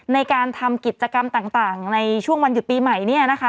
ในการทำกิจกรรมต่างในช่วงวันหยุดปีใหม่